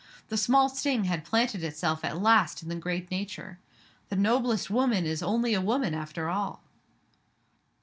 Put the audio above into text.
The small sting had planted itself at last in the great nature. The noblest woman is only a woman, after all!